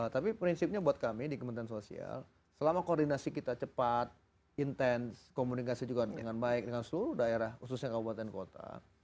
tapi prinsipnya buat kami di kementerian sosial selama koordinasi kita cepat intens komunikasi juga dengan baik dengan seluruh daerah khususnya kabupaten kota